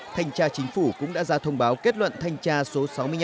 thanh tra chính phủ cũng đã ra thông báo kết luận thanh tra số sáu mươi năm